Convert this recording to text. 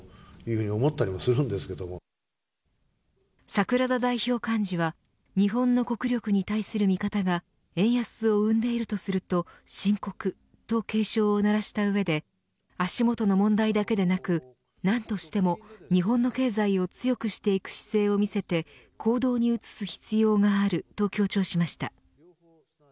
桜田代表幹事は日本の国力に対する見方が円安を生んでいるとすると深刻と警鐘を鳴らした上で足元の問題だけでなく何としても日本の経済を強くしていく姿勢を見せて行動に移す必要があると強調しました。